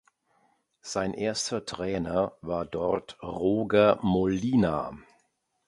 Sein erster Trainer war dort Roger Molina.